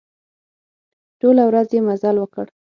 ټوله ورځ يې مزل وکړ.